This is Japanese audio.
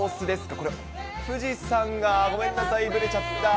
これ、富士山がごめんなさい、ずれちゃった。